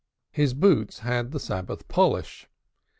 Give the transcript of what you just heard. His boots had the Sabbath polish.